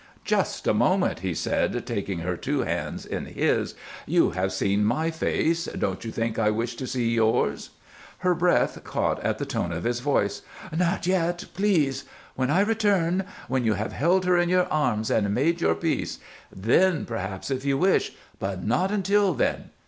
"Just a moment," he said, taking her two hands in his. "You have seen my face. Don't you think I wish to see yours?" Her breath caught at the tone of his voice. "Not yet. Please! When I return when you have held her in your arms and made your peace. Then, perhaps, if you wish but not until then."